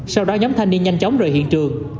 sau đó nhóm thanh niên nhanh chóng rời hiện trường